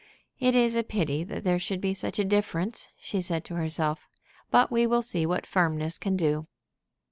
"It is a pity that there should be such a difference," she said to herself. "But we will see what firmness can do."